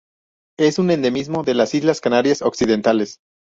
Es un endemismo de las Islas Canarias occidentales.